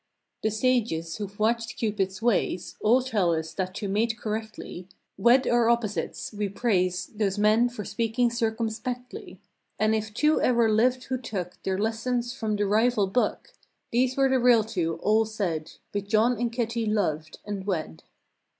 The sages who've watched Cupid's ways All tell us that to mate correctly— "Wed our opposites." We praise Those men for speaking circumspectly. And if two ever lived who took Their lessons from the rival book. These were the real two, all said— But John and Kitty loved, and wed.